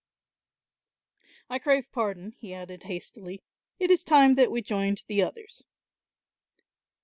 I crave pardon," he added hastily, "it is time that we joined the others."